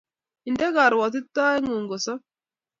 Inde karuatitoet ngung kosob